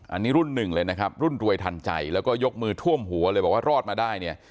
อันนี้รุ่นหนึ่งเลยนะครับรุ่นรวยทันใจแล้วก็ยกมือท่วมหัวเลยบอกว่ารอดมาได้เนี่ย